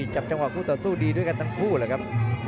จับจังหวะคู่ต่อสู้ดีด้วยกันทั้งคู่เลยครับ